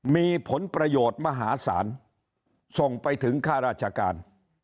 มีผลประโยชน์มหาศาลส่งไปถึงค่าราชการ